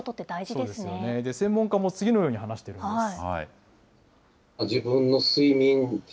そうですよね、専門家も次のように話しているんです。